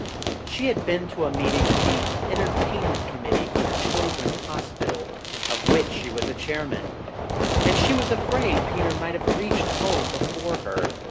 She had been to a meeting of the entertain ment committee for the Children's Hospital, of which she was chairman. And she was afraid Peter might have reached home before her.